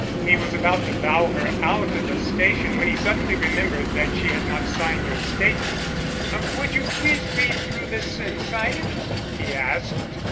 He was about to bow her out of the station when he suddenly remembered that she had not signed her statement. "Would you please read through this and sign it?" he asked.